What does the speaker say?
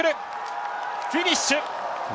フィニッシュ。